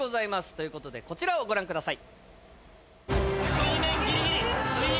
という事でこちらをご覧ください。